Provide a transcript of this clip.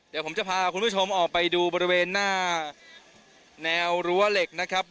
เดี๋ยวผมจะพาคุณผู้ชมออกไปดูบริเวณหน้าแนวรั้วเหล็กนะครับ